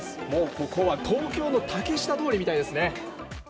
ここは東京の竹下通りみたいですね。